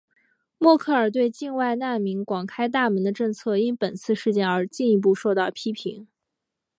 默克尔对境外难民广开大门的政策因本次事件而进一步受到批评。